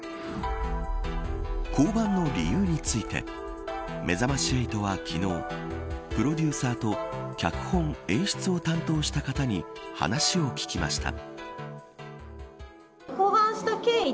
降板の理由についてめざまし８は、昨日プロデューサーと脚本、演出を担当した方に話を聞きました。